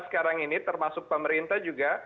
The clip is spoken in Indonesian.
sekarang ini termasuk pemerintah juga